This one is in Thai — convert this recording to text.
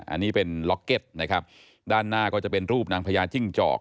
อันนี้เป็นล็อกเก็ตนะครับด้านหน้าก็จะเป็นรูปนางพญาจิ้งจอก